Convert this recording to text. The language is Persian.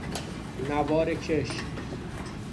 نوار کش